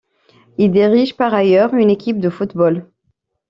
Il dirige par ailleurs une équipe de football.